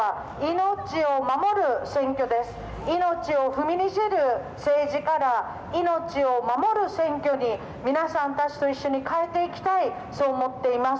命を踏みにじる政治から、命を守る選挙に皆さんたちと一緒に変えていきたい、そう思っています。